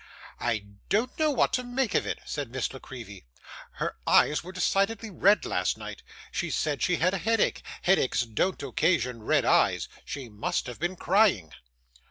'I don't know what to make of it,' said Miss La Creevy. 'Her eyes were decidedly red last night. She said she had a headache; headaches don't occasion red eyes. She must have been crying.